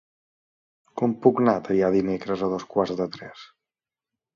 Com puc anar a Teià dimecres a dos quarts de tres?